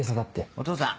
お義父さん